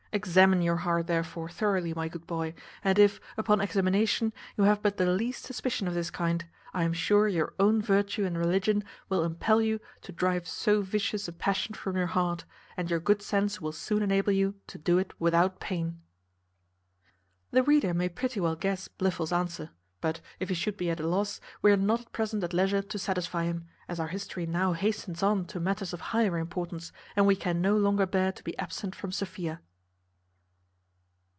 Examine your heart, therefore, thoroughly, my good boy, and if, upon examination, you have but the least suspicion of this kind, I am sure your own virtue and religion will impel you to drive so vicious a passion from your heart, and your good sense will soon enable you to do it without pain." The reader may pretty well guess Blifil's answer; but, if he should be at a loss, we are not at present at leisure to satisfy him, as our history now hastens on to matters of higher importance, and we can no longer bear to be absent from Sophia.